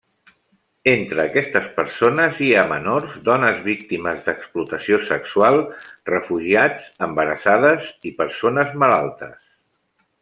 Entre aquestes persones hi ha menors, dones víctimes d'explotació sexual, refugiats, embarassades i persones malaltes.